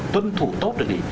tuân thủ tốt được gì